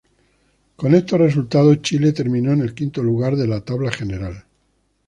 Con estos resultados, Chile terminó en el quinto lugar de la tabla general.